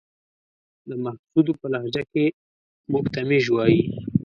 د محسودو په لهجه کې موږ ته ميژ وايې.